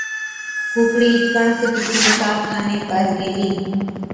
ڪُوڪڙِي ڪڻڪ چتِي ڪارخاني پر گيلِي